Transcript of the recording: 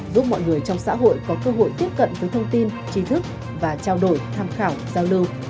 giúp mọi người trong xã hội có cơ hội tiếp cận với thông tin trí thức và trao đổi tham khảo giao lưu